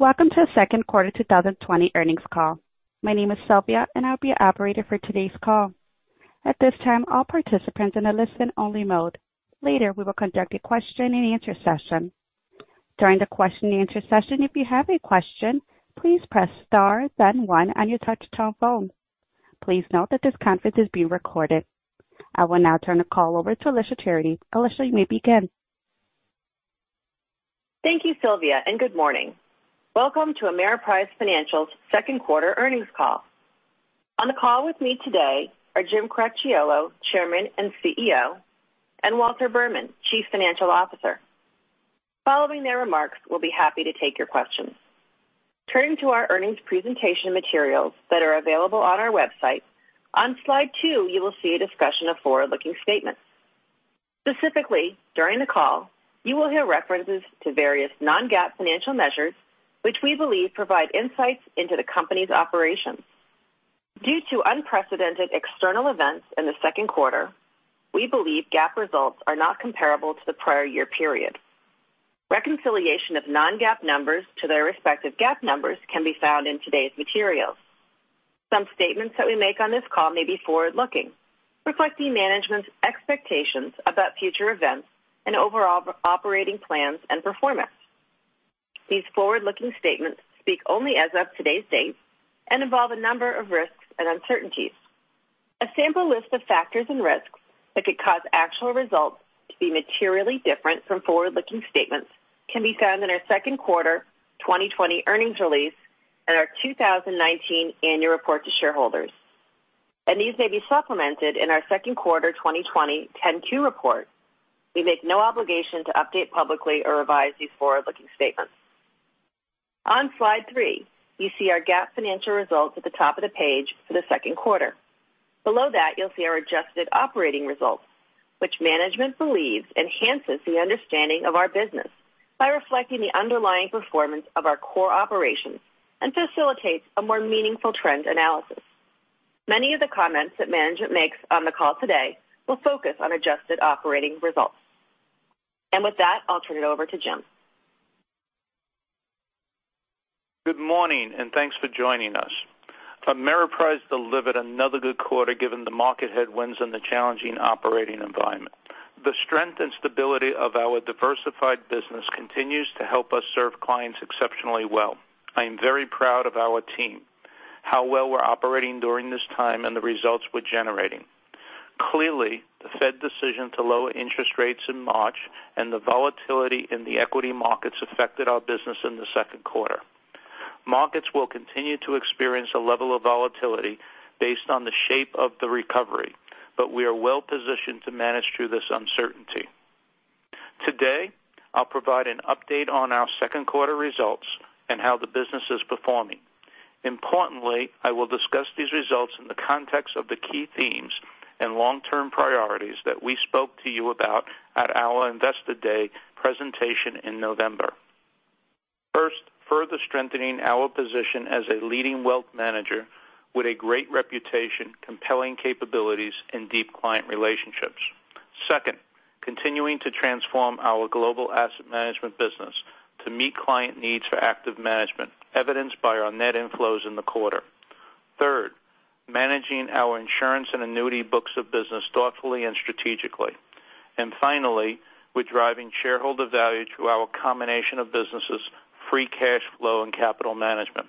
Welcome to the Second Quarter 2020 Earnings Call. My name is Sylvia, and I'll be your operator for today's call. At this time, all participants in a listen-only mode. Later, we will conduct a question and answer session. During the question and answer session, if you have a question, please press star then one on your touch-tone phone. Please note that this conference is being recorded. I will now turn the call over to Alicia Charity. Alicia, you may begin. Thank you, Sylvia. Good morning. Welcome to Ameriprise Financial's second quarter earnings call. On the call with me today are Jim Cracchiolo, Chairman and CEO, and Walter Berman, Chief Financial Officer. Following their remarks, we'll be happy to take your questions. Turning to our earnings presentation materials that are available on our website, on slide two, you will see a discussion of forward-looking statements. Specifically, during the call, you will hear references to various non-GAAP financial measures which we believe provide insights into the company's operations. Due to unprecedented external events in the second quarter, we believe GAAP results are not comparable to the prior year period. Reconciliation of non-GAAP numbers to their respective GAAP numbers can be found in today's materials. Some statements that we make on this call may be forward-looking, reflecting management's expectations about future events and overall operating plans and performance. These forward-looking statements speak only as of today's date and involve a number of risks and uncertainties. A sample list of factors and risks that could cause actual results to be materially different from forward-looking statements can be found in our second quarter 2020 earnings release and our 2019 annual report to shareholders. These may be supplemented in our second quarter 2020 10-Q report. We make no obligation to update publicly or revise these forward-looking statements. On slide three, you see our GAAP financial results at the top of the page for the second quarter. Below that, you'll see our adjusted operating results, which management believes enhances the understanding of our business by reflecting the underlying performance of our core operations and facilitates a more meaningful trend analysis. Many of the comments that management makes on the call today will focus on adjusted operating results. With that, I'll turn it over to Jim. Good morning, and thanks for joining us. Ameriprise delivered another good quarter given the market headwinds and the challenging operating environment. The strength and stability of our diversified business continues to help us serve clients exceptionally well. I am very proud of our team, how well we're operating during this time, and the results we're generating. Clearly, the Fed decision to lower interest rates in March and the volatility in the equity markets affected our business in the second quarter. Markets will continue to experience a level of volatility based on the shape of the recovery, but we are well-positioned to manage through this uncertainty. Today, I'll provide an update on our second quarter results and how the business is performing. Importantly, I will discuss these results in the context of the key themes and long-term priorities that we spoke to you about at our Investor Day presentation in November. First, further strengthening our position as a leading wealth manager with a great reputation, compelling capabilities, and deep client relationships. Second, continuing to transform our global asset management business to meet client needs for active management, evidenced by our net inflows in the quarter. Third, managing our insurance and annuity books of business thoughtfully and strategically. Finally, we're driving shareholder value through our combination of businesses' free cash flow and capital management.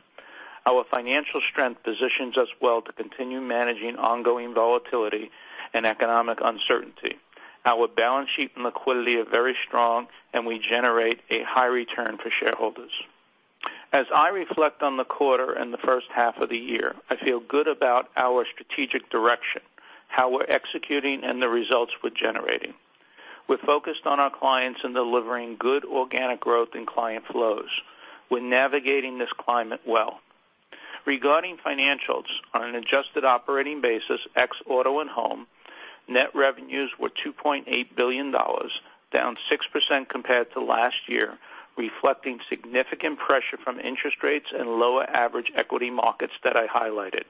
Our financial strength positions us well to continue managing ongoing volatility and economic uncertainty. Our balance sheet and liquidity are very strong, and we generate a high return for shareholders. As I reflect on the quarter and the first half of the year, I feel good about our strategic direction, how we're executing, and the results we're generating. We're focused on our clients and delivering good organic growth in client flows. We're navigating this climate well. Regarding financials, on an adjusted operating basis, ex auto and home, net revenues were $2.8 billion, down 6% compared to last year, reflecting significant pressure from interest rates and lower average equity markets that I highlighted.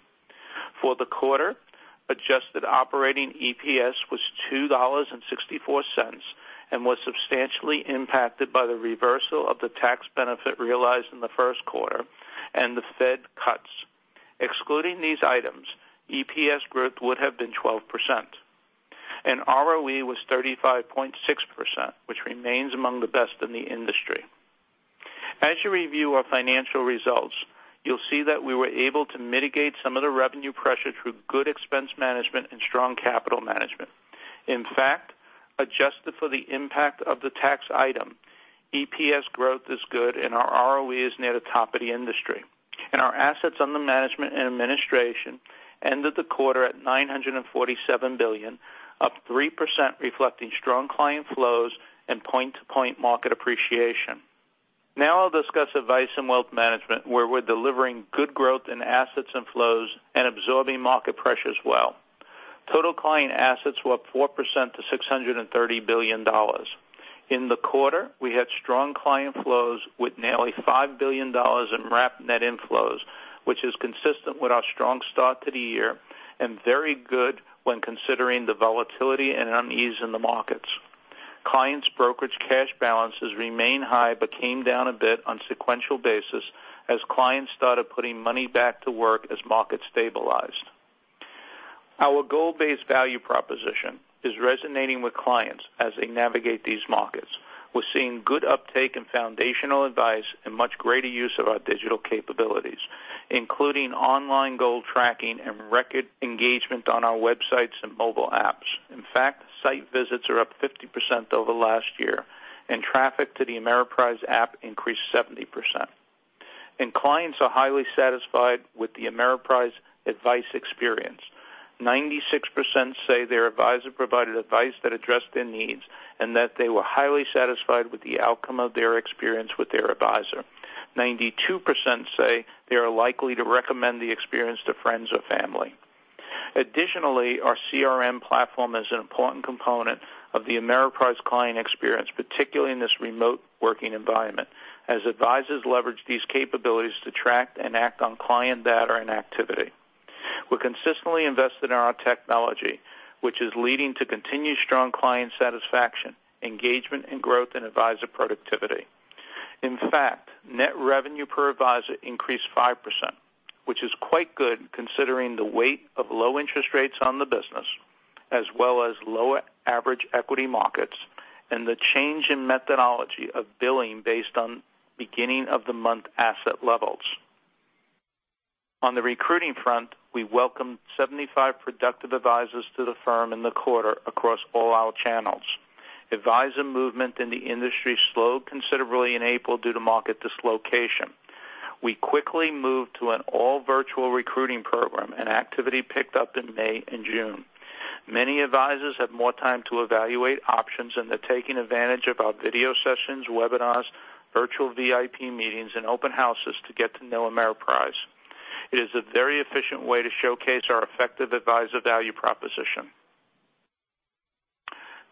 For the quarter, adjusted operating EPS was $2.64 and was substantially impacted by the reversal of the tax benefit realized in the first quarter and the Fed cuts. Excluding these items, EPS growth would have been 12%. ROE was 35.6%, which remains among the best in the industry. As you review our financial results, you'll see that we were able to mitigate some of the revenue pressure through good expense management and strong capital management. In fact, adjusted for the impact of the tax item, EPS growth is good and our ROE is near the top of the industry. Our assets under management and administration ended the quarter at $947 billion, up 3%, reflecting strong client flows and point-to-point market appreciation. Now I'll discuss Advice & Wealth Management, where we're delivering good growth in assets and flows and absorbing market pressures well. Total client assets were up 4% to $630 billion. In the quarter, we had strong client flows with nearly $5 billion in wrap net inflows, which is consistent with our strong start to the year, and very good when considering the volatility and unease in the markets. Clients' brokerage cash balances remain high, but came down a bit on sequential basis as clients started putting money back to work as markets stabilized. Our goal-based value proposition is resonating with clients as they navigate these markets. Site visits are up 50% over last year, and traffic to the Ameriprise app increased 70%. Clients are highly satisfied with the Ameriprise advice experience. 96% say their advisor provided advice that addressed their needs, and that they were highly satisfied with the outcome of their experience with their advisor. 92% say they are likely to recommend the experience to friends or family. Additionally, our CRM platform is an important component of the Ameriprise client experience, particularly in this remote working environment, as advisors leverage these capabilities to track and act on client data and activity. We're consistently invested in our technology, which is leading to continued strong client satisfaction, engagement and growth in advisor productivity. In fact, net revenue per advisor increased 5%, which is quite good, considering the weight of low interest rates on the business, as well as lower average equity markets and the change in methodology of billing based on beginning of the month asset levels. On the recruiting front, we welcomed 75 productive advisors to the firm in the quarter across all our channels. Advisor movement in the industry slowed considerably in April due to market dislocation. We quickly moved to an all-virtual recruiting program, and activity picked up in May and June. Many advisors have more time to evaluate options, and they're taking advantage of our video sessions, webinars, virtual VIP meetings, and open houses to get to know Ameriprise. It is a very efficient way to showcase our effective advisor value proposition.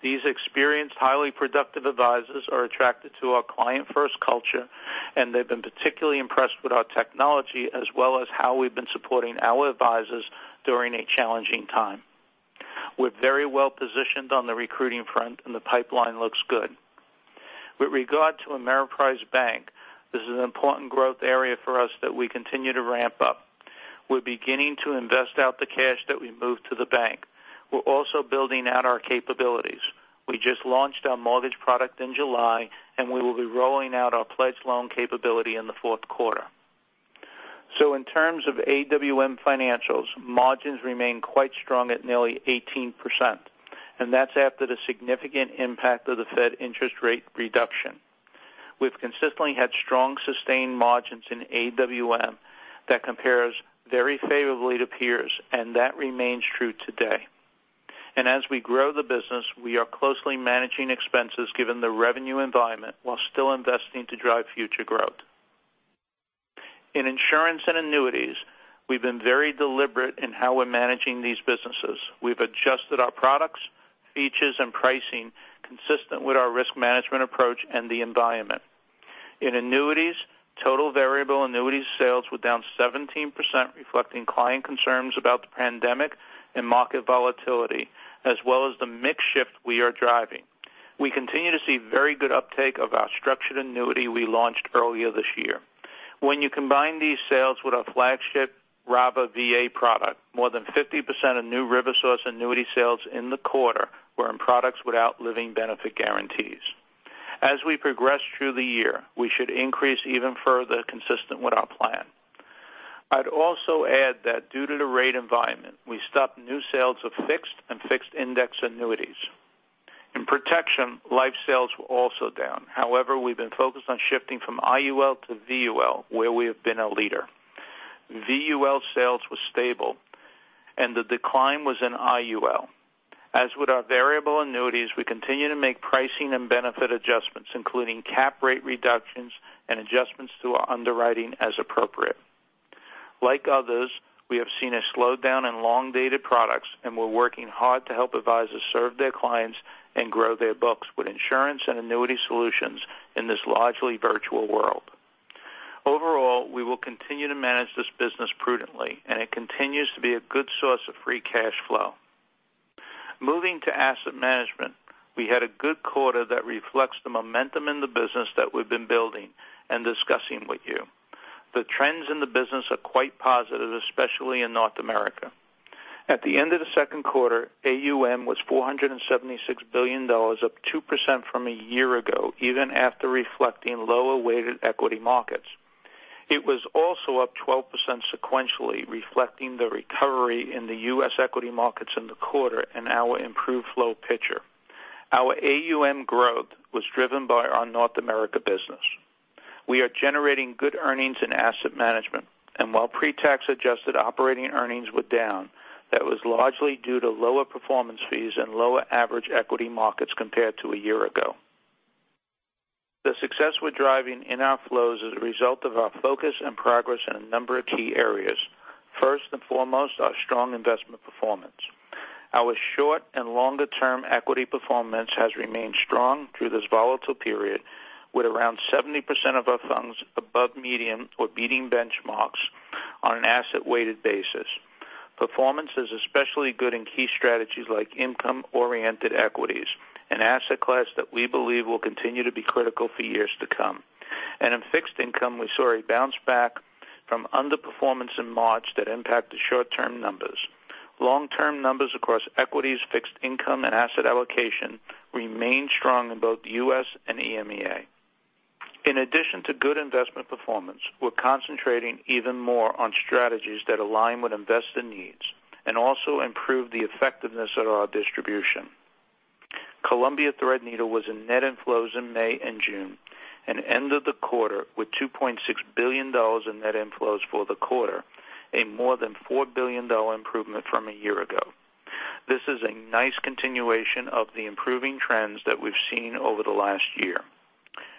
These experienced, highly productive advisors are attracted to our client-first culture, and they've been particularly impressed with our technology as well as how we've been supporting our advisors during a challenging time. We're very well-positioned on the recruiting front, and the pipeline looks good. With regard to Ameriprise Bank, this is an important growth area for us that we continue to ramp up. We're beginning to invest out the cash that we moved to the bank. We're also building out our capabilities. We just launched our mortgage product in July, and we will be rolling out our pledge loan capability in the fourth quarter. In terms of AWM financials, margins remain quite strong at nearly 18%, and that's after the significant impact of the Fed interest rate reduction. We've consistently had strong, sustained margins in AWM that compares very favorably to peers, and that remains true today. As we grow the business, we are closely managing expenses given the revenue environment, while still investing to drive future growth. In insurance and annuities, we've been very deliberate in how we're managing these businesses. We've adjusted our products, features, and pricing consistent with our risk management approach and the environment. In annuities, total variable annuity sales were down 17%, reflecting client concerns about the pandemic and market volatility, as well as the mix shift we are driving. We continue to see very good uptake of our structured annuity we launched earlier this year. When you combine these sales with our flagship RAVA VA product, more than 50% of new RiverSource annuity sales in the quarter were in products without living benefit guarantees. As we progress through the year, we should increase even further consistent with our plan. I'd also add that due to the rate environment, we stopped new sales of fixed and fixed index annuities. In protection, life sales were also down. However, we've been focused on shifting from IUL to VUL, where we have been a leader. VUL sales were stable, and the decline was in IUL. As with our variable annuities, we continue to make pricing and benefit adjustments, including cap rate reductions and adjustments to our underwriting as appropriate. Like others, we have seen a slowdown in long-dated products, and we're working hard to help advisors serve their clients and grow their books with insurance and annuity solutions in this largely virtual world. Overall, we will continue to manage this business prudently, and it continues to be a good source of free cash flow. Moving to asset management, we had a good quarter that reflects the momentum in the business that we've been building and discussing with you. The trends in the business are quite positive, especially in North America. At the end of the second quarter, AUM was $476 billion, up 2% from a year ago, even after reflecting lower weighted equity markets. It was also up 12% sequentially, reflecting the recovery in the U.S. equity markets in the quarter and our improved flow picture. Our AUM growth was driven by our North America business. We are generating good earnings in asset management. While pre-tax adjusted operating earnings were down, that was largely due to lower performance fees and lower average equity markets compared to a year ago. The success we're driving in outflows is a result of our focus and progress in a number of key areas. Foremost, our strong investment performance. Our short and longer-term equity performance has remained strong through this volatile period, with around 70% of our funds above median or beating benchmarks on an asset-weighted basis. Performance is especially good in key strategies like income-oriented equities, an asset class that we believe will continue to be critical for years to come. In fixed income, we saw a bounce back from underperformance in March that impacted short-term numbers. Long-term numbers across equities, fixed income, and asset allocation remained strong in both the U.S. and EMEA. In addition to good investment performance, we're concentrating even more on strategies that align with investor needs and also improve the effectiveness of our distribution. Columbia Threadneedle was in net inflows in May and June, and ended the quarter with $2.6 billion in net inflows for the quarter, a more than $4 billion improvement from a year ago. This is a nice continuation of the improving trends that we've seen over the last year.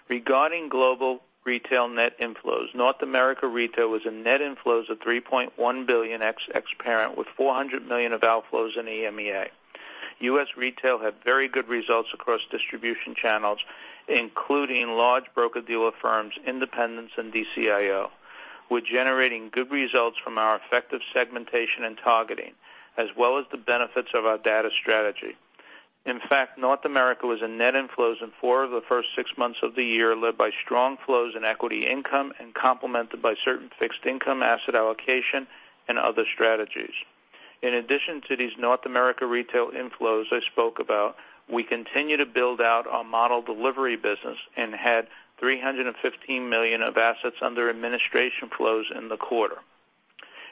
Regarding global retail net inflows, North America retail was in net inflows of $3.1 billion ex-parent with $400 million of outflows in EMEA. U.S. retail had very good results across distribution channels, including large broker-dealer firms, independents, and DCIO, with generating good results from our effective segmentation and targeting, as well as the benefits of our data strategy. In fact, North America was in net inflows in four of the first six months of the year, led by strong flows in equity income and complemented by certain fixed income, asset allocation, and other strategies. In addition to these North America retail inflows I spoke about, we continue to build out our model delivery business and had $315 million of assets under administration flows in the quarter.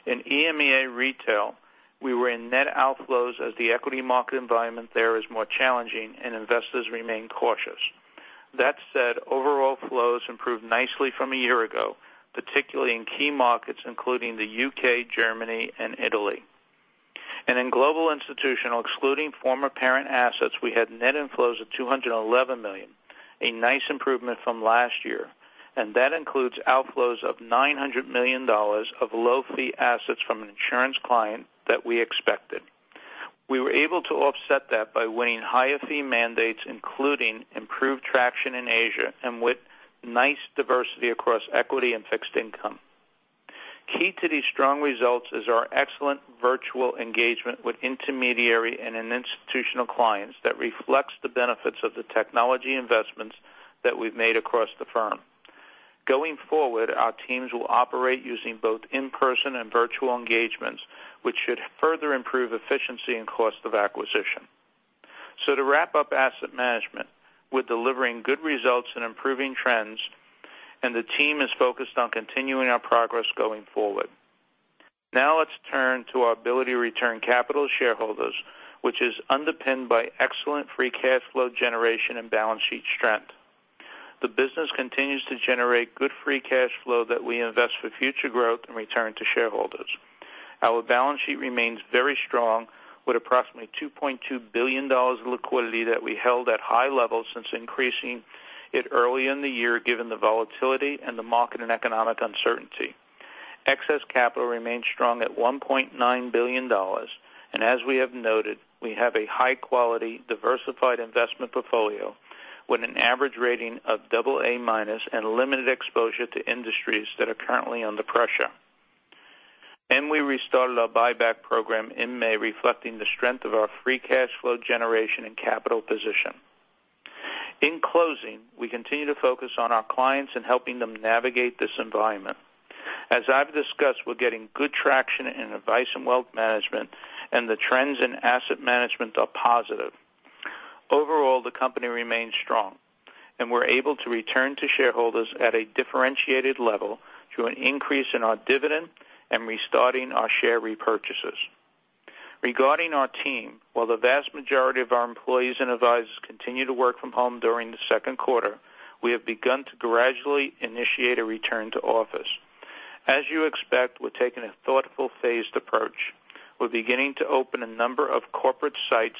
In EMEA retail, we were in net outflows as the equity market environment there is more challenging and investors remain cautious. That said, overall flows improved nicely from a year ago, particularly in key markets including the U.K., Germany, and Italy. In global institutional, excluding former parent assets, we had net inflows of $211 million, a nice improvement from last year, and that includes outflows of $900 million of low-fee assets from an insurance client that we expected. We were able to offset that by winning higher fee mandates, including improved traction in Asia, and with nice diversity across equity and fixed income. Key to these strong results is our excellent virtual engagement with intermediary and in institutional clients that reflects the benefits of the technology investments that we've made across the firm. Going forward, our teams will operate using both in-person and virtual engagements, which should further improve efficiency and cost of acquisition. To wrap up asset management, we're delivering good results and improving trends, and the team is focused on continuing our progress going forward. Let's turn to our ability to return capital to shareholders, which is underpinned by excellent free cash flow generation and balance sheet strength. The business continues to generate good free cash flow that we invest for future growth and return to shareholders. Our balance sheet remains very strong with approximately $2.2 billion in liquidity that we held at high levels since increasing it early in the year given the volatility and the market and economic uncertainty. Excess capital remains strong at $1.9 billion. As we have noted, we have a high-quality, diversified investment portfolio with an average rating of double A-minus and limited exposure to industries that are currently under pressure. We restarted our buyback program in May, reflecting the strength of our free cash flow generation and capital position. In closing, we continue to focus on our clients and helping them navigate this environment. As I've discussed, we're getting good traction in Advice & Wealth Management, and the trends in asset management are positive. Overall, the company remains strong, and we're able to return to shareholders at a differentiated level through an increase in our dividend and restarting our share repurchases. Regarding our team, while the vast majority of our employees and advisers continue to work from home during the second quarter, we have begun to gradually initiate a return to office. As you expect, we're taking a thoughtful, phased approach. We're beginning to open a number of corporate sites,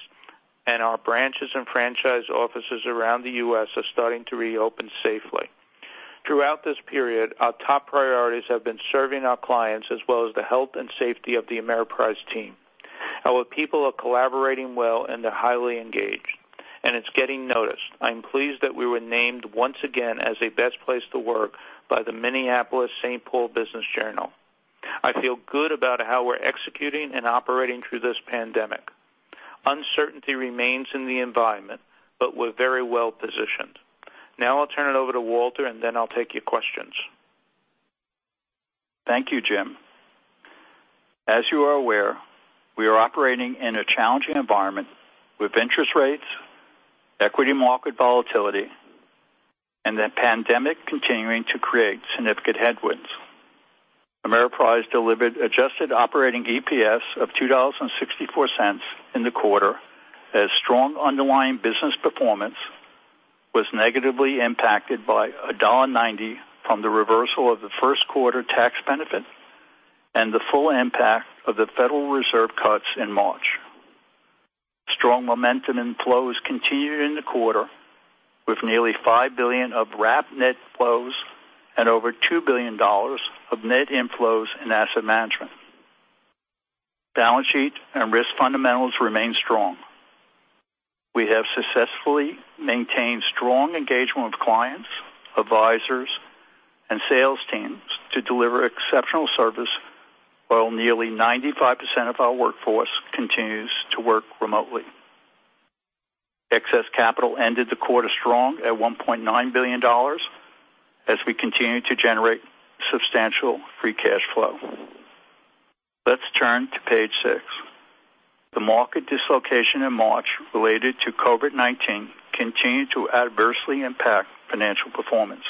and our branches and franchise offices around the U.S. are starting to reopen safely. Throughout this period, our top priorities have been serving our clients as well as the health and safety of the Ameriprise team. Our people are collaborating well, and they're highly engaged, and it's getting noticed. I'm pleased that we were named once again as a Best Place to Work by the Minneapolis/St. Paul Business Journal. I feel good about how we're executing and operating through this pandemic. Uncertainty remains in the environment, but we're very well-positioned. Now I'll turn it over to Walter, and then I'll take your questions. Thank you, Jim. As you are aware, we are operating in a challenging environment with interest rates, equity market volatility, and the pandemic continuing to create significant headwinds. Ameriprise delivered adjusted operating EPS of $2.64 in the quarter as strong underlying business performance was negatively impacted by a $1.90 from the reversal of the first quarter tax benefit and the full impact of the Federal Reserve cuts in March. Strong momentum in flows continued in the quarter with nearly $5 billion of wrap net flows and over $2 billion of net inflows in asset management. Balance sheet and risk fundamentals remain strong. We have successfully maintained strong engagement with clients, advisors, and sales teams to deliver exceptional service, while nearly 95% of our workforce continues to work remotely. Excess capital ended the quarter strong at $1.9 billion as we continue to generate substantial free cash flow. Let's turn to page six. The market dislocation in March related to COVID-19 continued to adversely impact financial performance.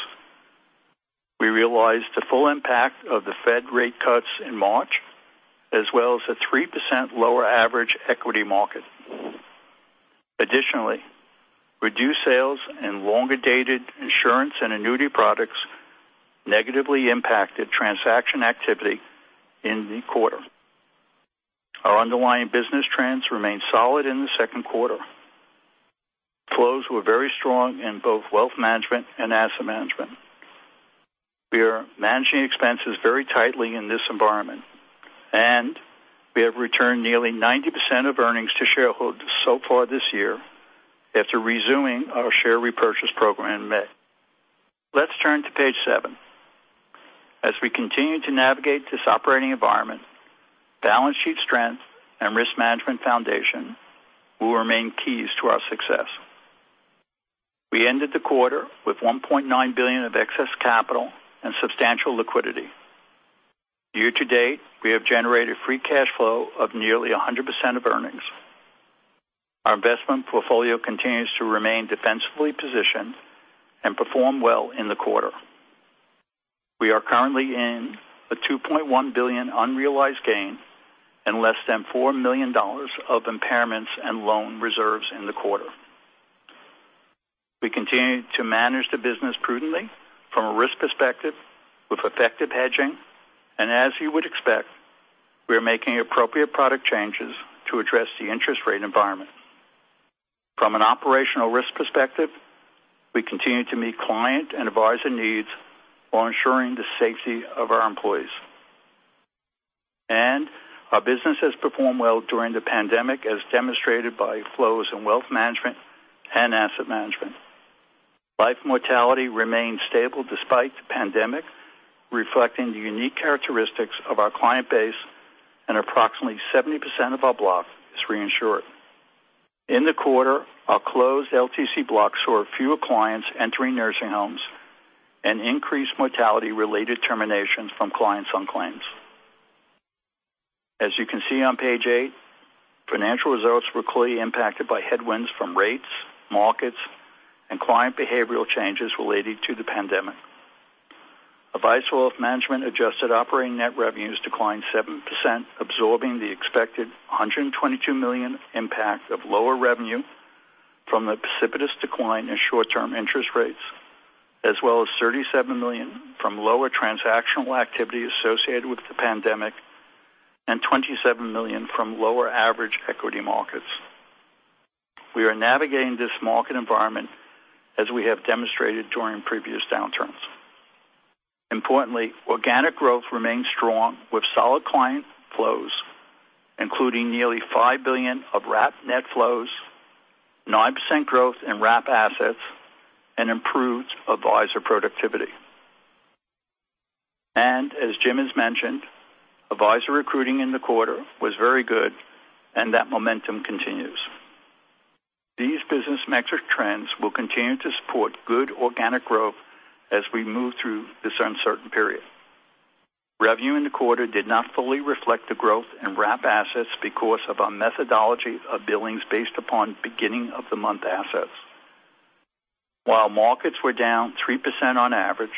We realized the full impact of the Fed rate cuts in March, as well as a 3% lower average equity market. Reduced sales and longer-dated insurance and annuity products negatively impacted transaction activity in the quarter. Our underlying business trends remained solid in the second quarter. Flows were very strong in both wealth management and asset management. We are managing expenses very tightly in this environment, and we have returned nearly 90% of earnings to shareholders so far this year after resuming our share repurchase program in May. Let's turn to page seven. We continue to navigate this operating environment, balance sheet strength and risk management foundation will remain keys to our success. We ended the quarter with $1.9 billion of excess capital and substantial liquidity. Year to date, we have generated free cash flow of nearly 100% of earnings. Our investment portfolio continues to remain defensively positioned and performed well in the quarter. We are currently in a $2.1 billion unrealized gain and less than $4 million of impairments and loan reserves in the quarter. We continue to manage the business prudently from a risk perspective with effective hedging. As you would expect, we are making appropriate product changes to address the interest rate environment. From an operational risk perspective, we continue to meet client and advisor needs while ensuring the safety of our employees. Our business has performed well during the pandemic, as demonstrated by flows in wealth management and asset management. Life mortality remains stable despite the pandemic, reflecting the unique characteristics of our client base, and approximately 70% of our block is reinsured. In the quarter, our closed LTC blocks saw fewer clients entering nursing homes and increased mortality related terminations from clients on claims. As you can see on page eight, financial results were clearly impacted by headwinds from rates, markets, and client behavioral changes related to the pandemic. Advice & Wealth Management adjusted operating net revenues declined 7%, absorbing the expected $122 million impact of lower revenue from the precipitous decline in short-term interest rates, as well as $37 million from lower transactional activity associated with the pandemic, and $27 million from lower average equity markets. We are navigating this market environment as we have demonstrated during previous downturns. Importantly, organic growth remains strong with solid client flows, including nearly $5 billion of wrap net flows, 9% growth in wrap assets, and improved advisor productivity. As Jim has mentioned, advisor recruiting in the quarter was very good and that momentum continues. These business metric trends will continue to support good organic growth as we move through this uncertain period. Revenue in the quarter did not fully reflect the growth in wrap assets because of our methodology of billings based upon beginning of the month assets. While markets were down 3% on average,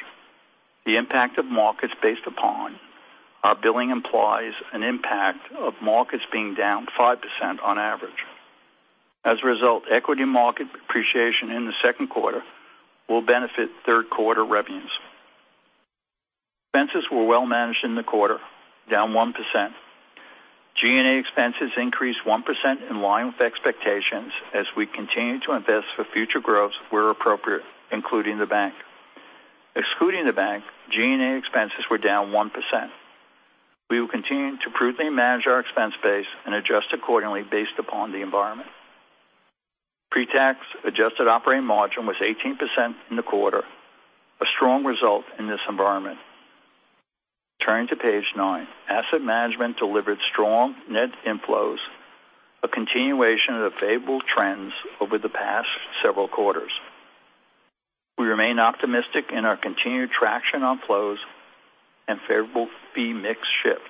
the impact of markets based upon our billing implies an impact of markets being down 5% on average. Equity market appreciation in the second quarter will benefit third quarter revenues. Expenses were well managed in the quarter, down 1%. G&A expenses increased 1% in line with expectations as we continue to invest for future growth where appropriate, including the bank. Excluding the bank, G&A expenses were down 1%. We will continue to prudently manage our expense base and adjust accordingly based upon the environment. Pre-tax adjusted operating margin was 18% in the quarter, a strong result in this environment. Turning to page nine. Asset management delivered strong net inflows, a continuation of the favorable trends over the past several quarters. We remain optimistic in our continued traction on flows and favorable fee mix shift.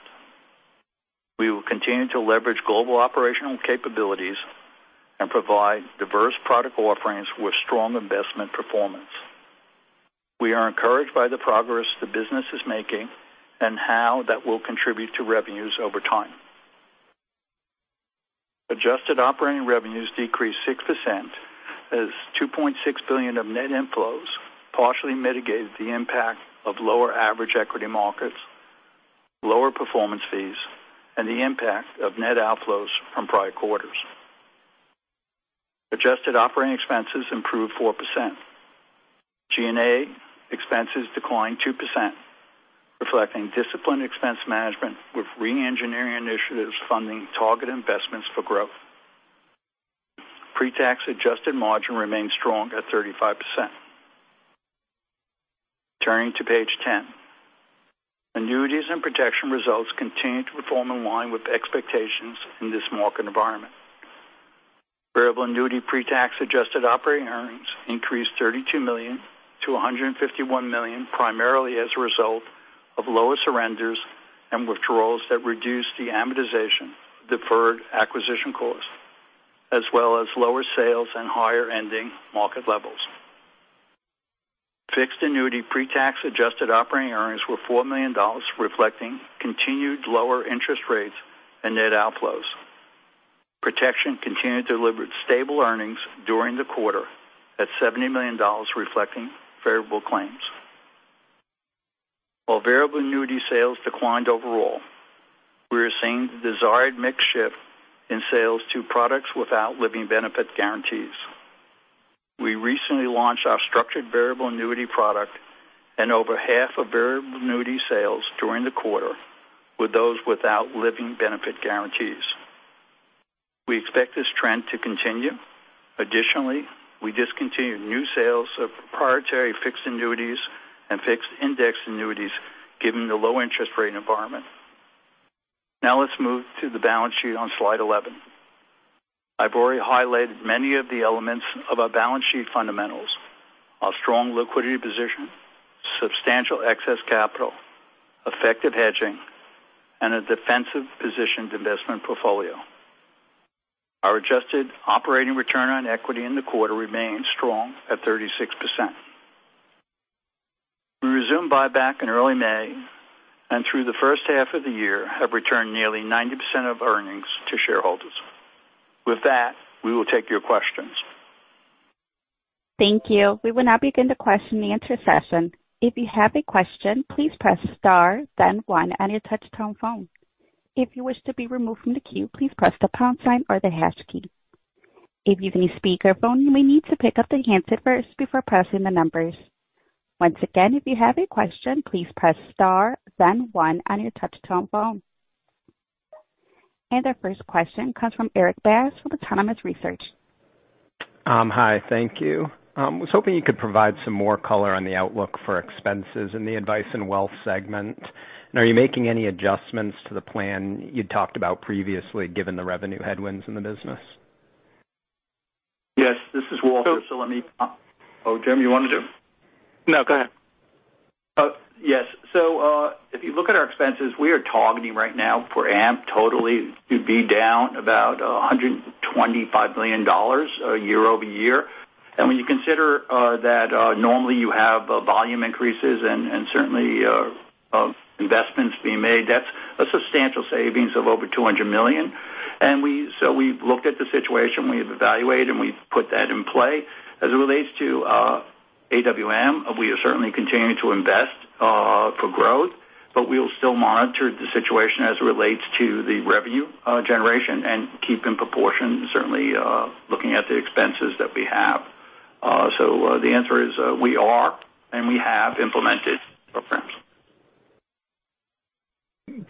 We will continue to leverage global operational capabilities and provide diverse product offerings with strong investment performance. We are encouraged by the progress the business is making and how that will contribute to revenues over time. Adjusted operating revenues decreased 6% as $2.6 billion of net inflows partially mitigated the impact of lower average equity markets, lower performance fees and the impact of net outflows from prior quarters. Adjusted operating expenses improved 4%. G&A expenses declined 2%, reflecting disciplined expense management with re-engineering initiatives funding target investments for growth. Pre-tax adjusted margin remained strong at 35%. Turning to page 10. Annuities and protection results continued to perform in line with expectations in this market environment. Variable annuity pre-tax adjusted operating earnings increased $32 million to $151 million, primarily as a result of lower surrenders and withdrawals that reduced the amortization of deferred acquisition costs, as well as lower sales and higher ending market levels. Fixed annuity pre-tax adjusted operating earnings were $4 million, reflecting continued lower interest rates and net outflows. Protection continued to deliver stable earnings during the quarter at $70 million, reflecting favorable claims. While variable annuity sales declined overall, we are seeing the desired mix shift in sales to products without living benefit guarantees. We recently launched our structured variable annuity product and over half of variable annuity sales during the quarter were those without living benefit guarantees. We expect this trend to continue. We discontinued new sales of proprietary fixed annuities and fixed index annuities given the low interest rate environment. Let's move to the balance sheet on slide 11. I've already highlighted many of the elements of our balance sheet fundamentals, our strong liquidity position, substantial excess capital, effective hedging, and a defensively positioned investment portfolio. Our adjusted operating return on equity in the quarter remained strong at 36%. We resumed buyback in early May, and through the first half of the year have returned nearly 90% of earnings to shareholders. We will take your questions. Thank you. We will now begin the question and answer session. If you have a question, please press star then 1 on your touch-tone phone. If you wish to be removed from the queue, please press the pound sign or the hash key. If you're using speakerphone, you may need to pick up the handset first before pressing the numbers. Once again, if you have a question, please press star then 1 on your touch-tone phone. Our first question comes from Erik Bass with Autonomous Research. Hi, thank you. I was hoping you could provide some more color on the outlook for expenses in the Advice and Wealth segment. Are you making any adjustments to the plan you'd talked about previously, given the revenue headwinds in the business? Yes, this is Walter, so let me... Oh, Jim, you wanted to? No, go ahead. If you look at our expenses, we are targeting right now for AMP, totally to be down about $125 million year-over-year. When you consider that normally you have volume increases and certainly investments being made, that's a substantial savings of over $200 million. We've looked at the situation, we've evaluated, and we've put that in play. As it relates to AWM, we are certainly continuing to invest for growth, we will still monitor the situation as it relates to the revenue generation and keep in proportion, certainly, looking at the expenses that we have. The answer is, we are and we have implemented programs.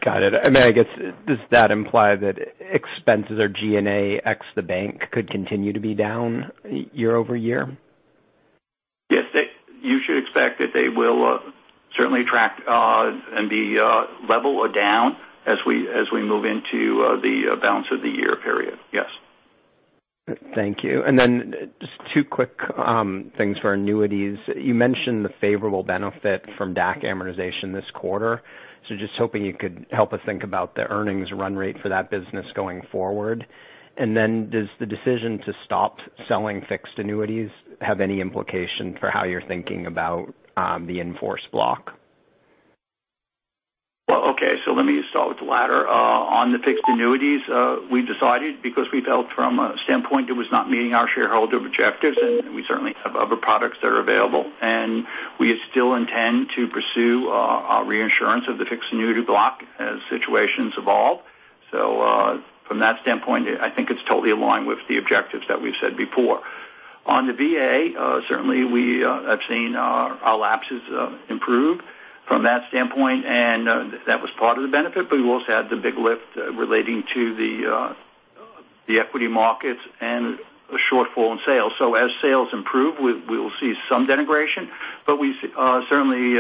Got it. I guess, does that imply that expenses or G&A ex the bank could continue to be down year-over-year? Yes. You should expect that they will certainly track and be level or down as we move into the balance of the year period. Yes. Thank you. Just two quick things for annuities. You mentioned the favorable benefit from DAC amortization this quarter. Just hoping you could help us think about the earnings run rate for that business going forward. Does the decision to stop selling fixed annuities have any implication for how you're thinking about the in-force block? Well, okay, let me start with the latter. On the fixed annuities, we decided because we felt from a standpoint it was not meeting our shareholder objectives, and we certainly have other products that are available, and we still intend to pursue reinsurance of the fixed annuity block as situations evolve. From that standpoint, I think it's totally in line with the objectives that we've said before. On the VA, certainly we have seen our lapses improve from that standpoint, and that was part of the benefit, but we also had the big lift relating to the equity markets and a shortfall in sales. As sales improve, we will see some denigration, but certainly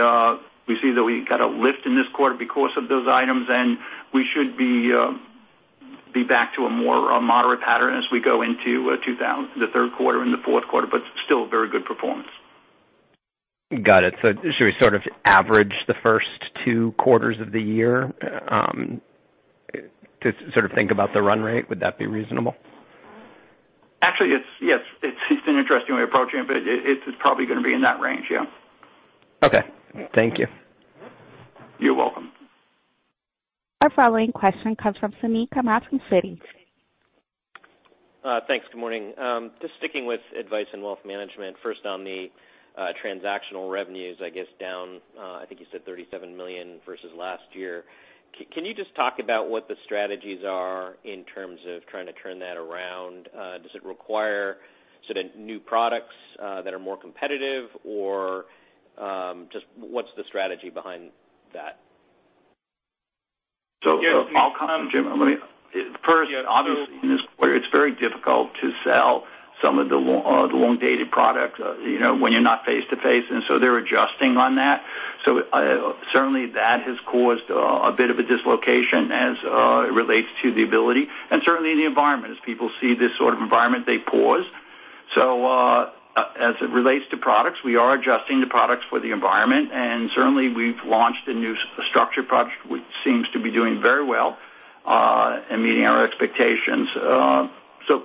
we see that we got a lift in this quarter because of those items, and we should be back to a more moderate pattern as we go into the third quarter and the fourth quarter, but still very good performance. Got it. Should we sort of average the first two quarters of the year to sort of think about the run rate? Would that be reasonable? Actually, yes. It's an interesting way of approaching it, but it is probably going to be in that range, yeah. Okay. Thank you. You're welcome. Our following question comes from Suneet Kamath from Citi. Thanks. Good morning. Just sticking with Advice & Wealth Management. First, on the transactional revenues, I guess down, I think you said $37 million versus last year. Can you just talk about what the strategies are in terms of trying to turn that around? Does it require sort of new products that are more competitive, or just what's the strategy behind that? I'll come to Jim. First, obviously, it's very difficult to sell some of the long-dated products when you're not face to face, and so they're adjusting on that. Certainly that has caused a bit of a dislocation as it relates to the ability and certainly the environment. As people see this sort of environment, they pause. As it relates to products, we are adjusting the products for the environment, and certainly we've launched a new structured product, which seems to be doing very well and meeting our expectations.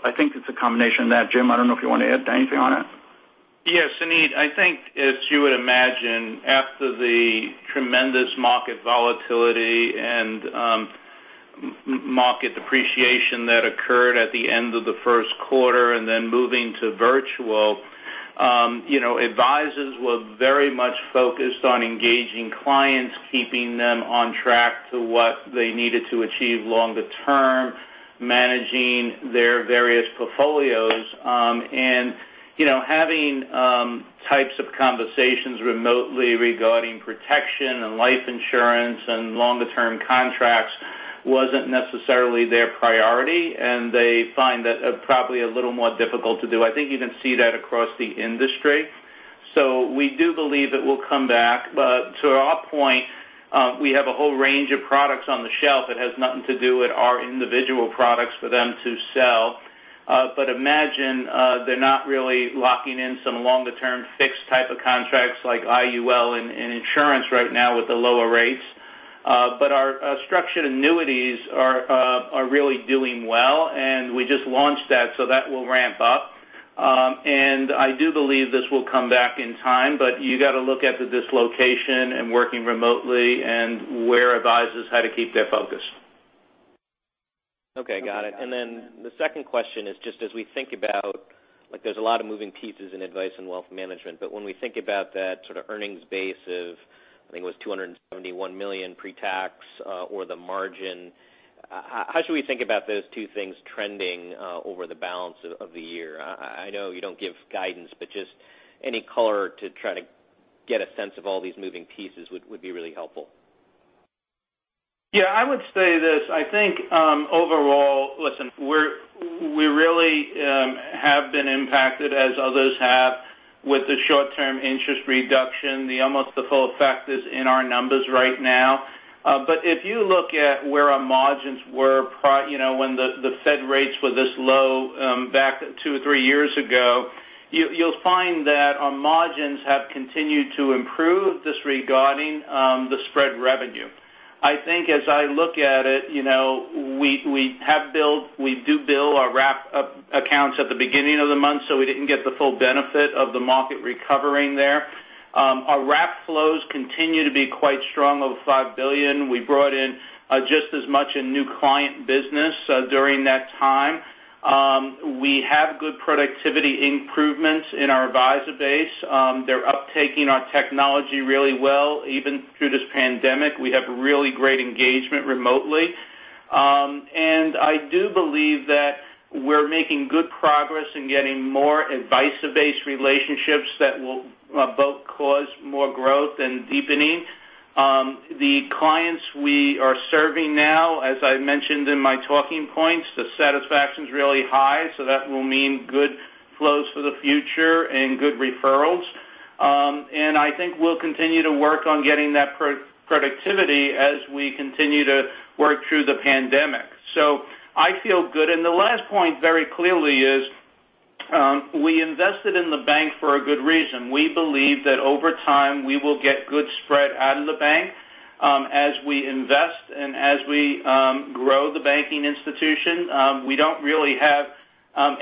I think it's a combination of that. Jim, I don't know if you want to add anything on it. Yes, Suneet, I think as you would imagine, after the tremendous market volatility and market depreciation that occurred at the end of the first quarter, moving to virtual, advisors were very much focused on engaging clients, keeping them on track to what they needed to achieve longer term, managing their various portfolios. Having types of conversations remotely regarding protection and life insurance and longer-term contracts wasn't necessarily their priority, and they find that probably a little more difficult to do. I think you can see that across the industry. We do believe it will come back. To our point, we have a whole range of products on the shelf. It has nothing to do with our individual products for them to sell. Imagine they're not really locking in some longer-term fixed type of contracts like IUL and insurance right now with the lower rates. Our structured annuities are really doing well, and we just launched that, so that will ramp up. I do believe this will come back in time, but you got to look at the dislocation and working remotely and where advisors had to keep their focus. Okay, got it. The second question is just as we think about, there's a lot of moving pieces in advice and wealth management, but when we think about that sort of earnings base of, I think it was $271 million pre-tax or the margin, how should we think about those two things trending over the balance of the year? I know you don't give guidance, but just any color to try to get a sense of all these moving pieces would be really helpful. Yeah, I would say this. I think overall, listen, we really have been impacted, as others have, with the short-term interest reduction. Almost the full effect is in our numbers right now. If you look at where our margins were when the Fed rates were this low back two or three years ago, you'll find that our margins have continued to improve just regarding the spread revenue. I think as I look at it, we do bill our wrap accounts at the beginning of the month, we didn't get the full benefit of the market recovering there. Our wrap flows continue to be quite strong, over $5 billion. We brought in just as much in new client business during that time. We have good productivity improvements in our advisor base. They're uptaking our technology really well, even through this pandemic. We have really great engagement remotely. I do believe that we're making good progress in getting more advisor-based relationships that will both cause more growth and deepening. The clients we are serving now, as I mentioned in my talking points, the satisfaction's really high, that will mean good flows for the future and good referrals. I think we'll continue to work on getting that productivity as we continue to work through the pandemic. I feel good. The last point very clearly is we invested in the bank for a good reason. We believe that over time, we will get good spread out of the bank as we invest and as we grow the banking institution. We don't really have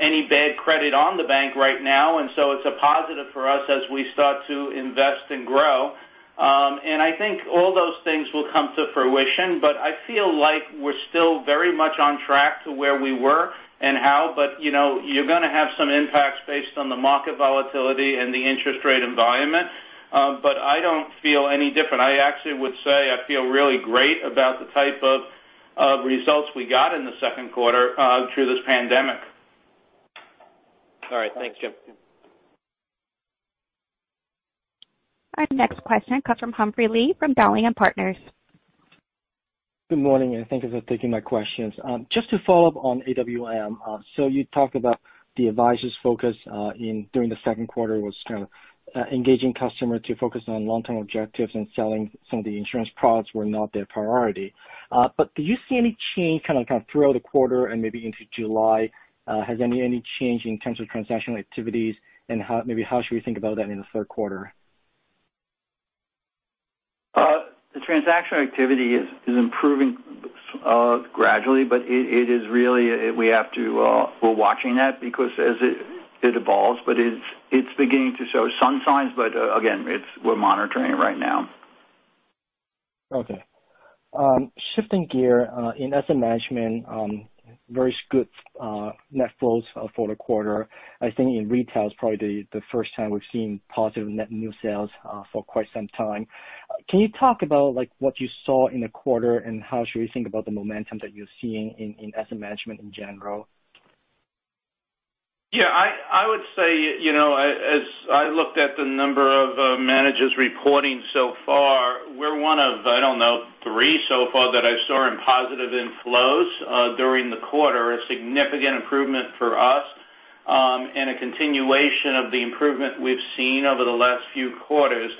any bad credit on the bank right now, it's a positive for us as we start to invest and grow. I think all those things will come to fruition, but I feel like we're still very much on track to where we were and how. You're going to have some impacts based on the market volatility and the interest rate environment. I don't feel any different. I actually would say I feel really great about the type of results we got in the second quarter through this pandemic. All right. Thanks, Jim. Our next question comes from Humphrey Lee from Dowling & Partners. Good morning, and thank you for taking my questions. Just to follow up on AWM. You talked about the advisors' focus during the second quarter was kind of engaging customers to focus on long-term objectives and selling some of the insurance products were not their priority. Do you see any change kind of throughout the quarter and maybe into July? Has any change in terms of transactional activities, and maybe how should we think about that in the third quarter? The transaction activity is improving gradually, but we're watching that because as it evolves, but it's beginning to show some signs. Again, we're monitoring it right now. Shifting gear, in asset management, very good net flows for the quarter. I think in retail, it's probably the first time we've seen positive net new sales for quite some time. Can you talk about what you saw in the quarter, and how should we think about the momentum that you're seeing in asset management in general? I would say, as I looked at the number of managers reporting so far, we're one of, I don't know, three so far that I saw in positive inflows during the quarter. A significant improvement for us, a continuation of the improvement we've seen over the last few quarters.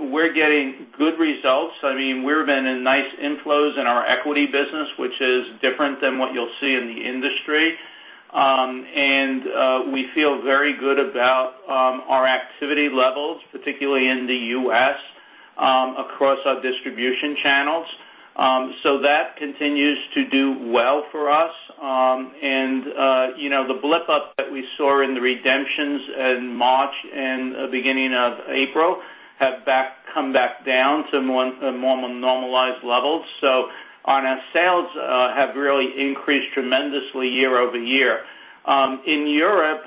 We're getting good results. We've been in nice inflows in our equity business, which is different than what you'll see in the industry. We feel very good about our activity levels, particularly in the U.S., across our distribution channels. That continues to do well for us. The blip-up that we saw in the redemptions in March and beginning of April have come back down to more normalized levels. Our sales have really increased tremendously year-over-year. In Europe,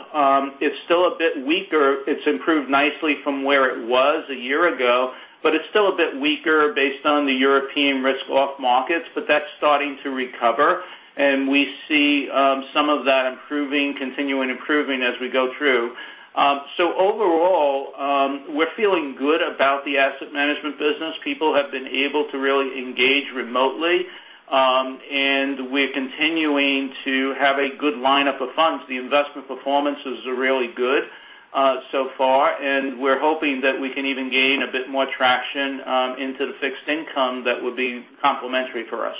it's still a bit weaker. It's improved nicely from where it was a year ago, but it's still a bit weaker based on the European risk off markets, that's starting to recover, and we see some of that continuing improving as we go through. Overall, we're feeling good about the asset management business. People have been able to really engage remotely. We're continuing to have a good lineup of funds. The investment performances are really good so far, and we're hoping that we can even gain a bit more traction into the fixed income that would be complementary for us.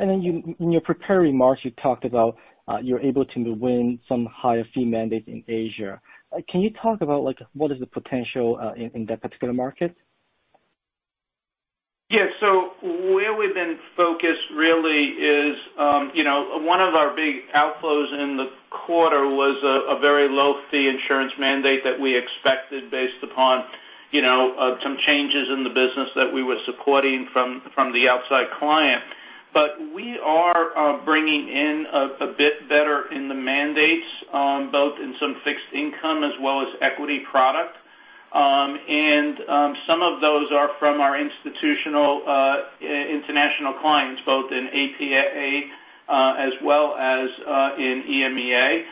In your prepared remarks, you talked about you're able to win some higher fee mandate in Asia. Can you talk about what is the potential in that particular market? Yeah. Where we've been focused really is one of our big outflows in the quarter was a very low-fee insurance mandate that we expected based upon some changes in the business that we were supporting from the outside client. We are bringing in a bit better in the mandates, both in some fixed income as well as equity product. Some of those are from our institutional international clients, both in APAC as well as in EMEA.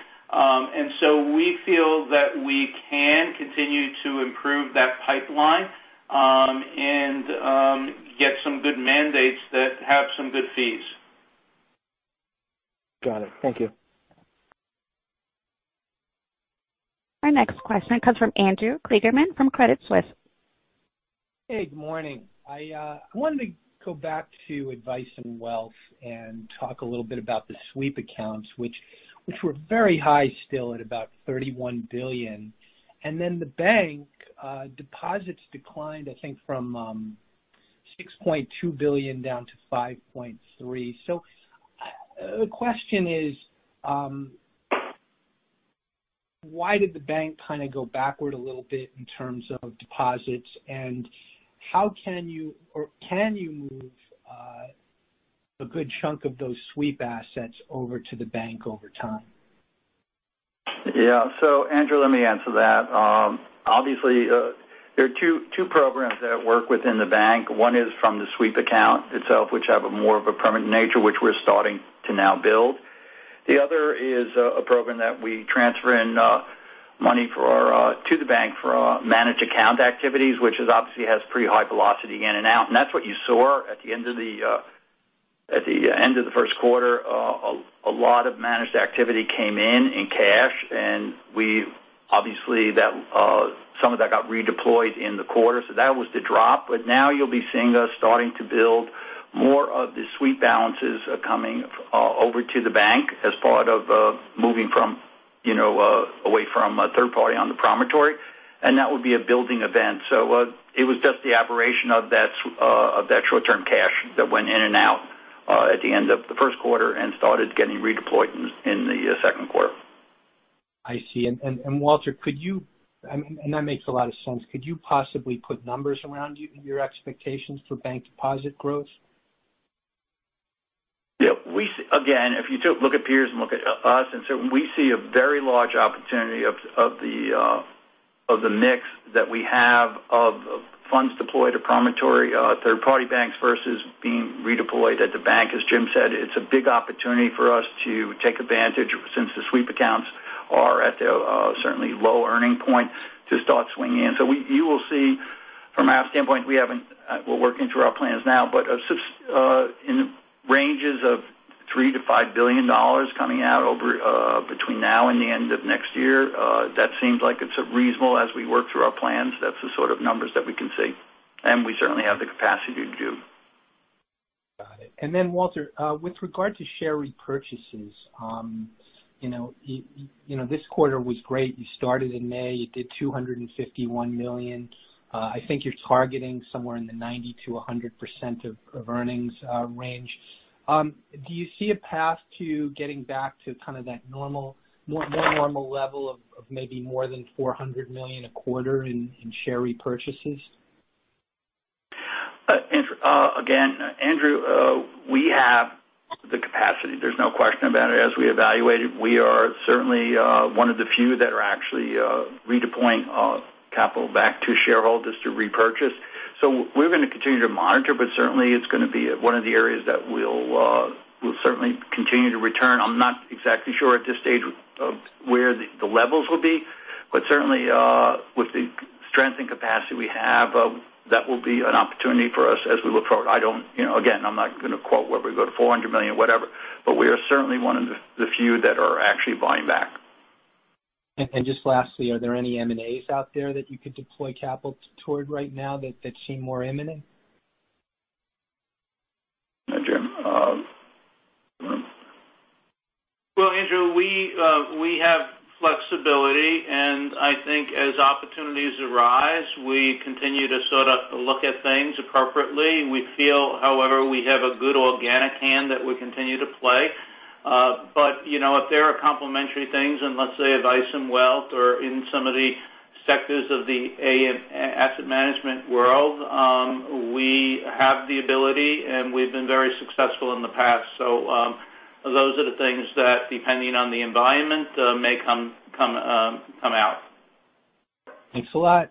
We feel that we can continue to improve that pipeline and get some good mandates that have some good fees. Got it. Thank you. Our next question comes from Andrew Kligerman from Credit Suisse. Good morning. I wanted to go back to advice and wealth and talk a little bit about the sweep accounts, which were very high still at about $31 billion. The bank deposits declined, I think, from $6.2 billion down to $5.3 billion. The question is why did the bank kind of go backward a little bit in terms of deposits? Can you move a good chunk of those sweep assets over to the bank over time? Andrew, let me answer that. Obviously, there are two programs that work within the bank. One is from the sweep account itself, which have a more of a permanent nature, which we're starting to now build. The other is a program that we transfer in money to the bank for our managed account activities, which obviously has pretty high velocity in and out. That's what you saw at the end of the first quarter. A lot of managed activity came in cash, and obviously some of that got redeployed in the quarter, so that was the drop. Now you'll be seeing us starting to build more of the sweep balances coming over to the bank as part of moving away from a third party on the Promontory, and that would be a building event. It was just the aberration of that short-term cash that went in and out at the end of the first quarter and started getting redeployed in the second quarter. I see. Walter, that makes a lot of sense. Could you possibly put numbers around your expectations for bank deposit growth? Again, if you look at peers and look at us, we see a very large opportunity of the mix that we have of funds deployed to Promontory, third party banks versus being redeployed at the bank. As Jim said, it's a big opportunity for us to take advantage since the sweep accounts are at a certainly low earning point to start swinging in. You will see from our standpoint, we'll work into our plans now, but in the ranges of $3 billion-$5 billion coming out between now and the end of next year. That seems like it's reasonable as we work through our plans. That's the sort of numbers that we can see. We certainly have the capacity to do. Got it. Walter, with regard to share repurchases, this quarter was great. You started in May. You did $251 million. I think you're targeting somewhere in the 90%-100% of earnings range. Do you see a path to getting back to that more normal level of maybe more than $400 million a quarter in share repurchases? Again, Andrew, we have the capacity. There's no question about it. As we evaluate it, we are certainly one of the few that are actually redeploying capital back to shareholders to repurchase. We're going to continue to monitor, but certainly it's going to be one of the areas that we'll certainly continue to return. I'm not exactly sure at this stage of where the levels will be, but certainly, with the strength and capacity we have, that will be an opportunity for us as we look forward. Again, I'm not going to quote whether we go to $400 million, whatever, but we are certainly one of the few that are actually buying back. Just lastly, are there any M&As out there that you could deploy capital toward right now that seem more imminent? Jim. Andrew, we have flexibility, and I think as opportunities arise, we continue to sort of look at things appropriately. We feel, however, we have a good organic hand that we continue to play. If there are complementary things in, let's say, advice and wealth or in some of the sectors of the asset management world, we have the ability, and we've been very successful in the past. Those are the things that, depending on the environment, may come out. Thanks a lot.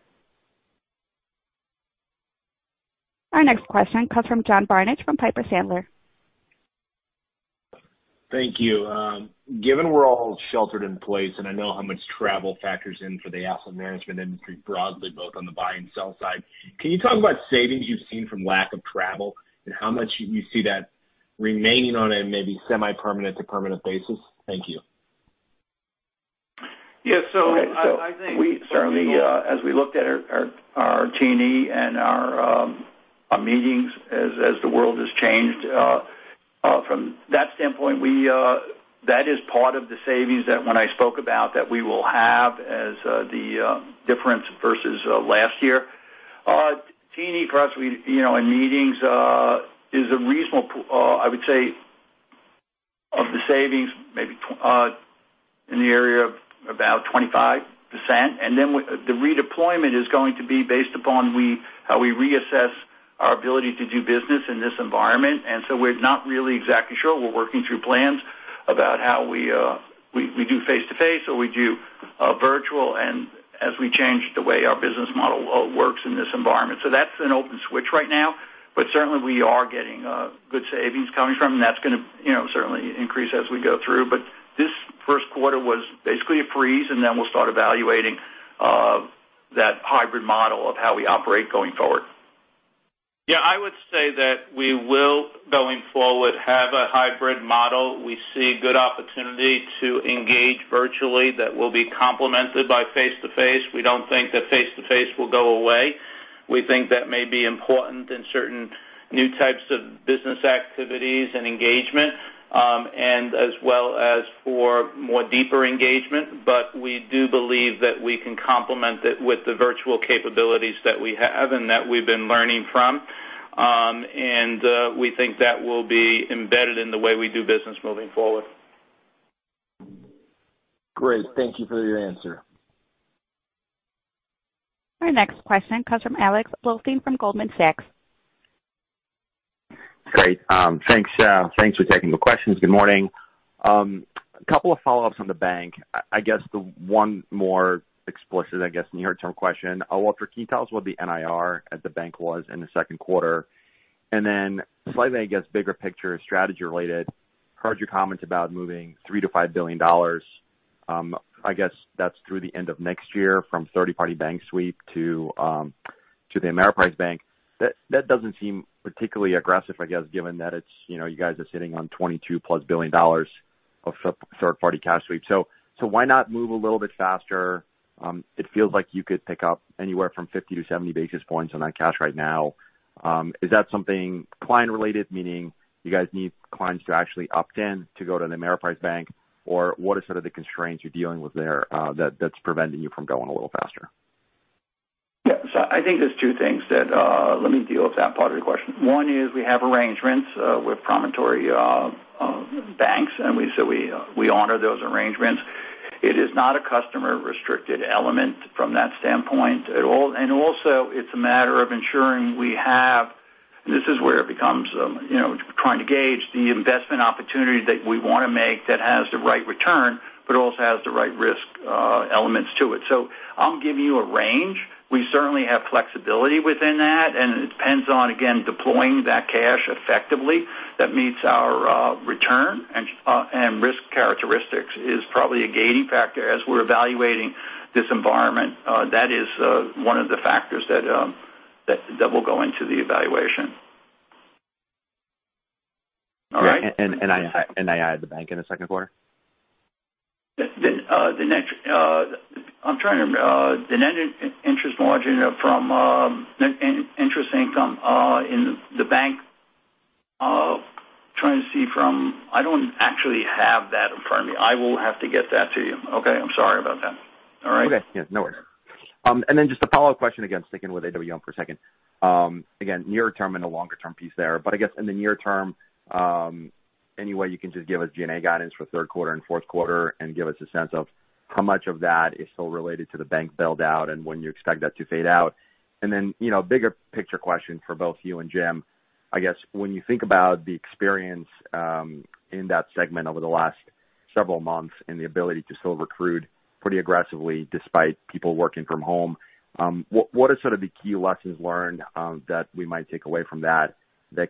Our next question comes from John Barnidge from Piper Sandler. Thank you. Given we're all sheltered in place, and I know how much travel factors in for the asset management industry broadly, both on the buy and sell side, can you talk about savings you've seen from lack of travel and how much you see that remaining on a maybe semi-permanent to permanent basis? Thank you. Yeah. Certainly, as we looked at our T&E and our meetings as the world has changed. From that standpoint, that is part of the savings that when I spoke about that we will have as the difference versus last year. T&E for us in meetings is a reasonable, I would say, of the savings, maybe in the area of about 25%. The redeployment is going to be based upon how we reassess our ability to do business in this environment. We're not really exactly sure. We're working through plans about how we do face-to-face, or we do virtual, and as we change the way our business model works in this environment. That's an open switch right now. Certainly we are getting good savings coming from, and that's going to certainly increase as we go through. This first quarter was basically a freeze, and then we'll start evaluating that hybrid model of how we operate going forward. Yeah, I would say that we will, going forward, have a hybrid model. We see good opportunity to engage virtually that will be complemented by face-to-face. We don't think that face-to-face will go away. We think that may be important in certain new types of business activities and engagement, and as well as for more deeper engagement. We do believe that we can complement it with the virtual capabilities that we have and that we've been learning from. We think that will be embedded in the way we do business moving forward. Great. Thank you for your answer. Our next question comes from Alex Blostein from Goldman Sachs. Great. Thanks for taking the questions. Good morning. A couple of follow-ups on the bank. I guess the one more explicit, I guess, near-term question, Walter, can you tell us what the NII at the bank was in the second quarter? Then slightly, I guess, bigger picture strategy related, heard your comments about moving $3 billion-$5 billion. I guess that's through the end of next year from third-party bank sweep to the Ameriprise Bank. That doesn't seem particularly aggressive, I guess, given that you guys are sitting on $22+ billion of third-party cash sweep. Why not move a little bit faster? It feels like you could pick up anywhere from 50-70 basis points on that cash right now. Is that something client related, meaning you guys need clients to actually opt in to go to the Ameriprise Bank? What are sort of the constraints you're dealing with there that's preventing you from going a little faster? Yeah. I think there's two things that let me deal with that part of the question. One is we have arrangements with Promontory Interfinancial Network, we honor those arrangements. It is not a customer-restricted element from that standpoint at all. Also, it's a matter of ensuring we have this is where it becomes trying to gauge the investment opportunity that we want to make that has the right return, also has the right risk elements to it. I'll give you a range. We certainly have flexibility within that, it depends on, again, deploying that cash effectively that meets our return and risk characteristics is probably a gating factor as we're evaluating this environment. That is one of the factors that will go into the evaluation. All right. Yeah. NII of the bank in the second quarter? The net interest margin from interest income in the bank. I don't actually have that in front of me. I will have to get that to you. Okay. I'm sorry about that. All right. Okay. Yeah, no worries. Just a follow-up question, again, sticking with AWM for a second. Near term and a longer-term piece there, but I guess in the near term, any way you can just give us G&A guidance for third quarter and fourth quarter and give us a sense of how much of that is still related to the bank build-out and when you expect that to fade out. Bigger picture question for both you and Jim. I guess when you think about the experience in that segment over the last several months and the ability to still recruit pretty aggressively despite people working from home, what are sort of the key lessons learned that we might take away from that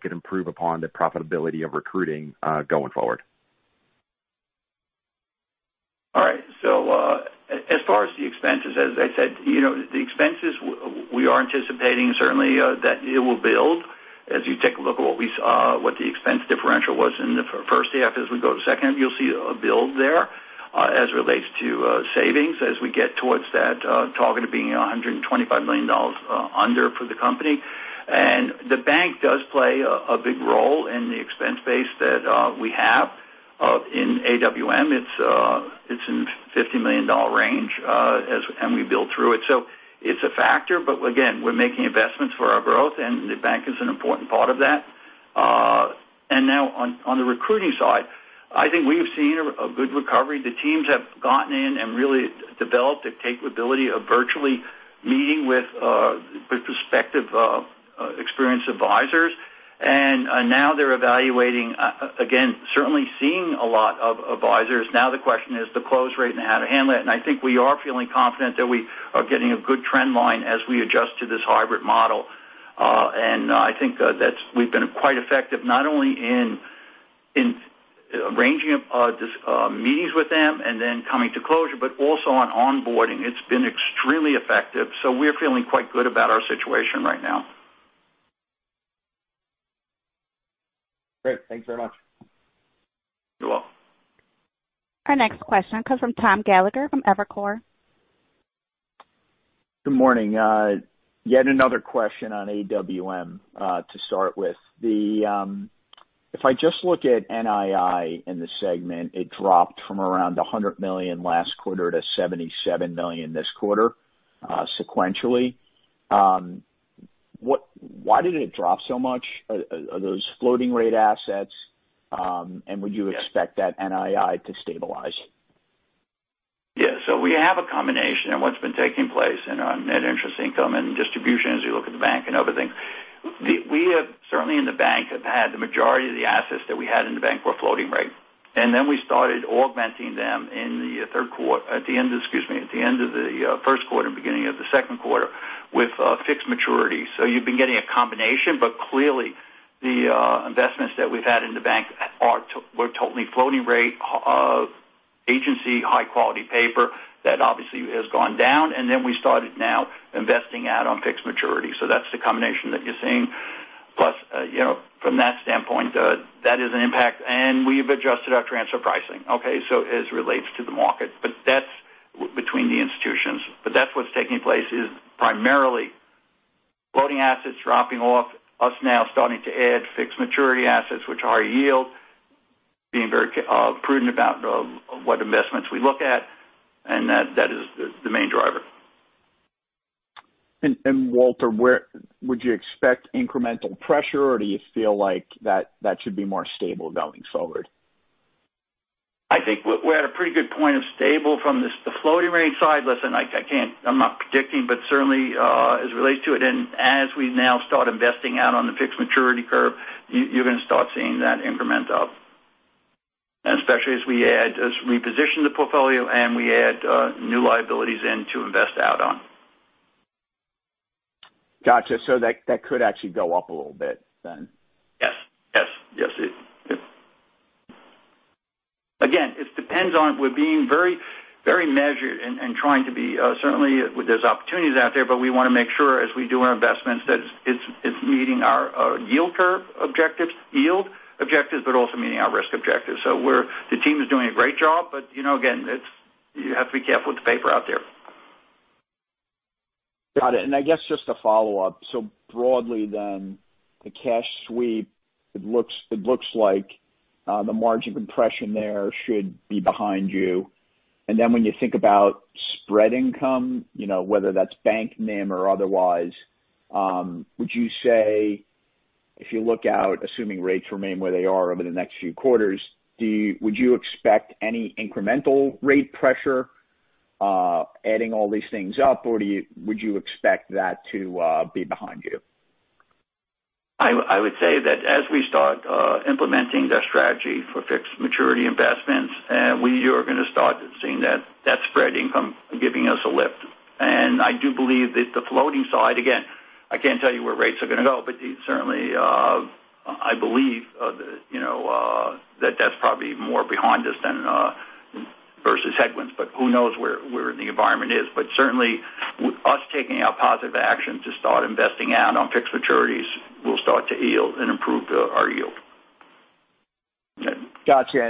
could improve upon the profitability of recruiting going forward? As far as the expenses, as I said, the expenses we are anticipating certainly that it will build. As you take a look at what the expense differential was in the first half as we go to second half, you'll see a build there as it relates to savings as we get towards that target of being $125 million under for the company. The bank does play a big role in the expense base that we have. In AWM, it's in $50 million range, and we build through it. It's a factor, but again, we're making investments for our growth, and the bank is an important part of that. Now on the recruiting side, I think we've seen a good recovery. The teams have gotten in and really developed a capability of virtually meeting with prospective experienced advisors. Now they're evaluating, again, certainly seeing a lot of advisors. Now the question is the close rate and how to handle it. I think we are feeling confident that we are getting a good trend line as we adjust to this hybrid model. I think that we've been quite effective, not only in arranging meetings with them and then coming to closure, but also on onboarding. It's been extremely effective. We're feeling quite good about our situation right now. Great. Thanks very much. You're welcome. Our next question comes from Tom Gallagher from Evercore. Good morning. Yet another question on AWM to start with. If I just look at NII in the segment, it dropped from around $100 million last quarter to $77 million this quarter sequentially. Why did it drop so much? Are those floating rate assets? Would you expect that NII to stabilize? We have a combination in what's been taking place in our net interest income and distribution as we look at the bank and other things. We have certainly in the bank have had the majority of the assets that we had in the bank were floating rate. Then we started augmenting them at the end of the first quarter and beginning of the second quarter with fixed maturity. You've been getting a combination, but clearly the investments that we've had in the bank were totally floating rate agency high quality paper that obviously has gone down. Then we started now investing out on fixed maturity. That's the combination that you're seeing. Plus, from that standpoint, that is an impact, and we've adjusted our transfer pricing, okay, as it relates to the market. That's between the institutions. That's what's taking place is primarily floating assets dropping off, us now starting to add fixed maturity assets, which are higher yield, being very prudent about what investments we look at, and that is the main driver. Walter, would you expect incremental pressure, or do you feel like that should be more stable going forward? I think we're at a pretty good point of stable from the floating rate side. Listen, I'm not predicting, certainly as it relates to it, as we now start investing out on the fixed maturity curve, you're going to start seeing that increment up, especially as we reposition the portfolio and we add new liabilities in to invest out on. Got you. That could actually go up a little bit then? Yes. Again, it depends on we're being very measured and trying to be certainly there's opportunities out there, but we want to make sure as we do our investments that it's meeting our yield curve objectives, yield objectives, but also meeting our risk objectives. The team is doing a great job, but again, you have to be careful with the paper out there. Got it. I guess just a follow-up. Broadly then, the cash sweep, it looks like the margin compression there should be behind you. When you think about spread income, whether that's bank NIM or otherwise, would you say if you look out, assuming rates remain where they are over the next few quarters, would you expect any incremental rate pressure adding all these things up, or would you expect that to be behind you? I would say that as we start implementing the strategy for fixed maturity investments, we are going to start seeing that spread income giving us a lift. I do believe that the floating side, again, I can't tell you where rates are going to go, but certainly I believe that's probably more behind us than versus headwinds. Who knows where the environment is? Certainly us taking a positive action to start investing out on fixed maturities will start to yield and improve our yield. Got you.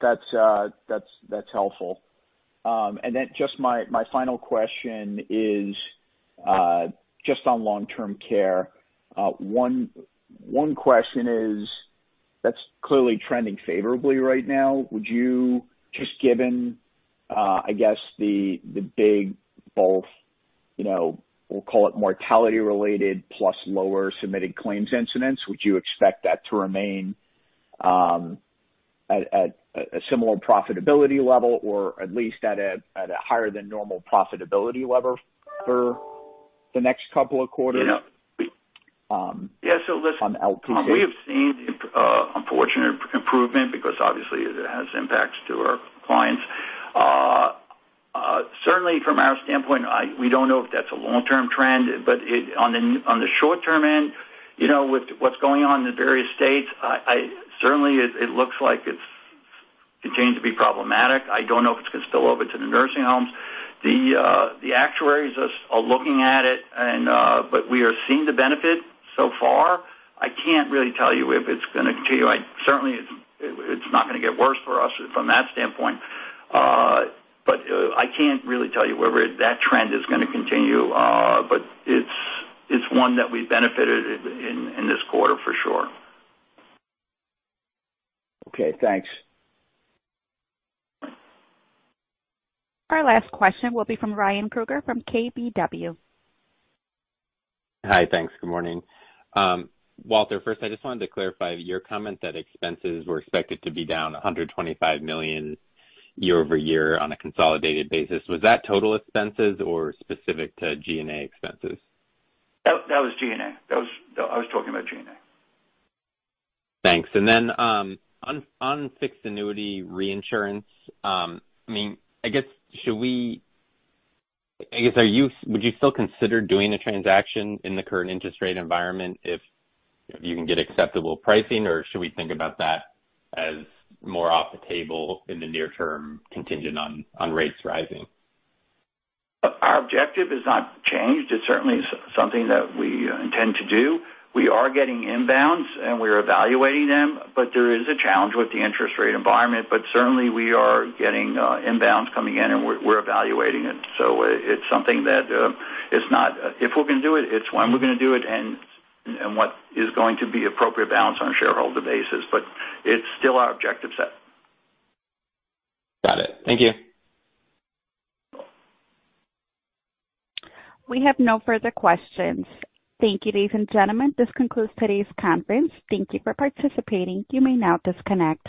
That's helpful. Just my final question is just on Long-Term Care. One question is. That's clearly trending favorably right now. Just given, I guess, the big both, we'll call it mortality related plus lower submitted claims incidence, would you expect that to remain at a similar profitability level, or at least at a higher than normal profitability level for the next couple of quarters? Yeah. On LTC. We have seen unfortunate improvement because obviously it has impacts to our clients. Certainly from our standpoint, we don't know if that's a long-term trend. On the short-term end, with what's going on in the various states, certainly it looks like it's going to be problematic. I don't know if it's going to spill over to the nursing homes. The actuaries are looking at it, but we are seeing the benefit so far. I can't really tell you if it's going to continue. Certainly it's not going to get worse for us from that standpoint. I can't really tell you whether that trend is going to continue. It's one that we benefited in this quarter for sure. Okay, thanks. Our last question will be from Ryan Krueger from KBW. Hi, thanks. Good morning. Walter, first I just wanted to clarify your comment that expenses were expected to be down $125 million year-over-year on a consolidated basis. Was that total expenses or specific to G&A expenses? That was G&A. I was talking about G&A. Thanks. On fixed annuity reinsurance, would you still consider doing a transaction in the current interest rate environment if you can get acceptable pricing or should we think about that as more off the table in the near term contingent on rates rising? Our objective has not changed. It's certainly something that we intend to do. We are getting inbounds and we're evaluating them, but there is a challenge with the interest rate environment. Certainly we are getting inbounds coming in and we're evaluating it. It's something that if we're going to do it's when we're going to do it and what is going to be appropriate balance on a shareholder basis. It's still our objective set. Got it. Thank you. We have no further questions. Thank you, ladies and gentlemen. This concludes today's conference. Thank you for participating. You may now disconnect.